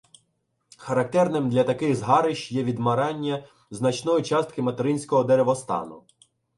Характерним для таких згарищ є відмирання значної частки материнського деревостану.